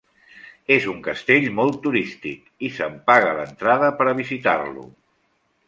És un castell molt turístic i se'n paga l'entrada, per a visitar-lo.